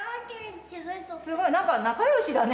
すごい何か仲よしだね。